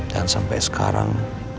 dan sampai sekarang